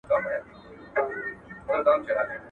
کوچي نکلونه، د آدم او دُرخانۍ سندري.